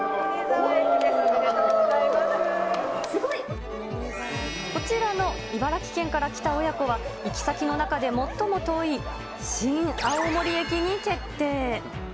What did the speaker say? おめでとうござこちらの茨城県から来た親子は、行き先の中で最も遠い新青森駅に決定。